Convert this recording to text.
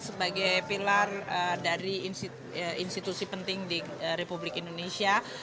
sebagai pilar dari institusi penting di republik indonesia